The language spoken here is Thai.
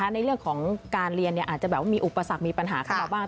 ในเรื่องของการเรียนอาจจะแบบว่ามีอุปสรรคมีปัญหาเข้ามาบ้าง